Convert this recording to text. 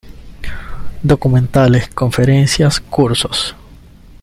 Documentales, conferencias, cursos.